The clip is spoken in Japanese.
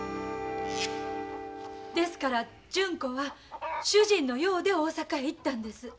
ですから純子は主人の用で大阪へ行ったんです。